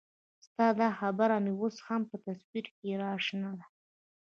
ستا دا خبره مې اوس هم په تصور کې راشنه